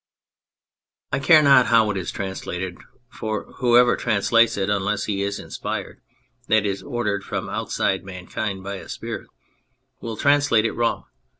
I care not how it is translated, for whoever translates it, unless he is inspired (that is, ordered from outside mankind by a spirit), he will translate it wrong.